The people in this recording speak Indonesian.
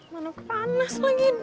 mana kepanas lagi ini